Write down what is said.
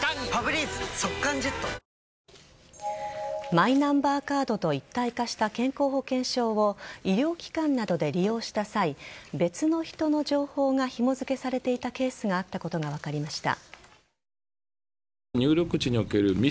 マイナンバーカードと一体化した健康保険証を医療機関などで利用した際別の人の情報がひもづけされていたケースがあったことが分かりました。